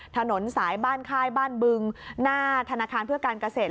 ถนนสายบ้านค่ายบ้านบึงหน้าธนาคารเพื่อการเกษตร